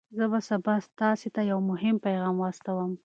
زه به سبا تاسي ته یو مهم پیغام واستوم.